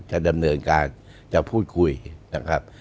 จะดำเนินการจะพูดคุยนะครับ